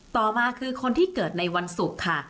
ต่อมาคือคนที่เกิดไว้ในวันสุขค่ะ